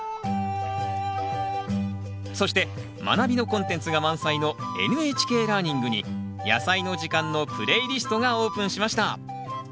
そして「まなび」のコンテンツが満載の「ＮＨＫラーニング」に「やさいの時間」のプレイリストがオープンしました。